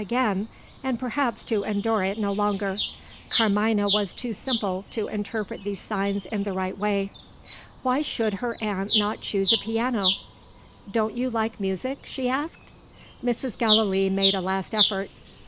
again, and perhaps to endure it no longer. Carmina was too simple to interpret these signs in the right way. Why should her aunt not choose a piano? "Don't you like music?" she asked. Mrs. Gallilee made a last effort.